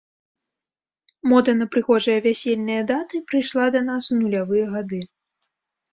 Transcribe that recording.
Мода на прыгожыя вясельныя даты прыйшла да нас у нулявыя гады.